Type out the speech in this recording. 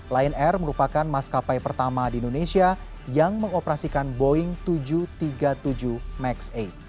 lion air merupakan maskapai pertama di indonesia yang mengoperasikan boeing tujuh ratus tiga puluh tujuh max delapan